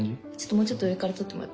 もうちょっと上から撮ってもらっていい？